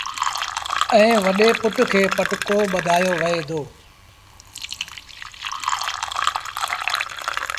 ائيٚݩ وڏي پُٽ کي پٽڪو ٻڌآيو وهي دو